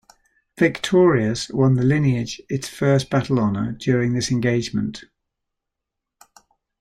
"Victorious" won the lineage its first battle honour during this engagement.